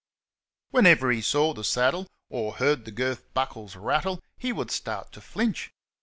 Whenever he saw the saddle or heard the girth buckles rattle he would start to flinch.